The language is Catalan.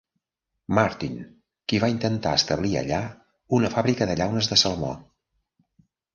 Martin, qui va intentar establir allà una fàbrica de llaunes de salmó.